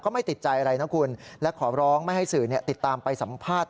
ไม่ติดใจอะไรนะคุณและขอร้องไม่ให้สื่อติดตามไปสัมภาษณ์